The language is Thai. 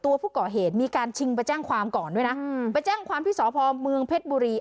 ตัวผู้ก่อเหตุมีการชิงไปแจ้งความก่อนด้วยนะไปแจ้งความที่สพเมืองเพชรบุรี